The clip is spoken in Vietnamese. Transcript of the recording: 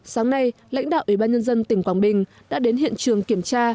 sáng nay lãnh đạo ủy ban nhân dân tỉnh quảng bình đã đến hiện trường kiểm tra